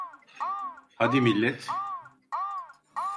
Hadi millet.